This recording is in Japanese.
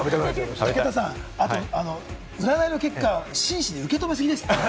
武田さん、占いの結果、真摯に受け止めすぎですって。